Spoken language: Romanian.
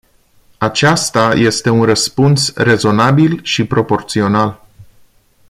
Acesta este un răspuns rezonabil și proporțional.